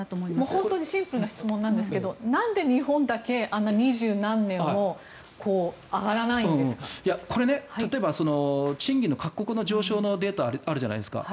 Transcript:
本当にシンプルな質問なんですがなんで日本だけ２０何年もこれ、賃金の各国の上昇のデータあるじゃないですか。